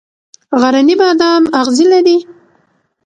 غرنی بادام اغزي لري؟